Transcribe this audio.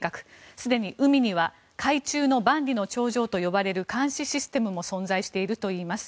すでに海には海中の万里の長城と呼ばれる監視システムも存在しているといいます。